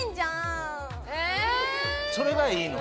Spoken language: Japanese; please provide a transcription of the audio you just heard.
それがいいの？